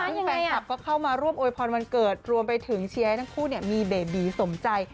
ซึ่งแฟนคลับก็เข้ามาร่วมโวยพรวันเกิดรวมไปถึงเชียร์ให้ทั้งคู่มีเบบีสมใจ